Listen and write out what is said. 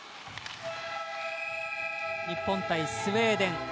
日本対スウェーデン。